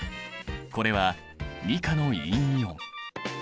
これは２価の陰イオン。